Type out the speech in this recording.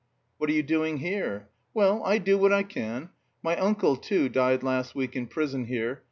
"What are you doing here?" "Well, I do what I can. My uncle, too, died last week in prison here.